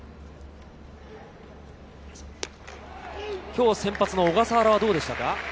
今日先発の小笠原はどうでしたか？